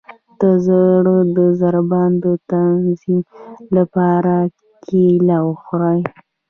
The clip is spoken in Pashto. د زړه د ضربان د تنظیم لپاره کیله وخورئ